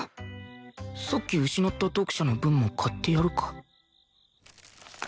さっき失った読者の分も買ってやるか